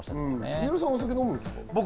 三浦さん、お酒飲むんですか？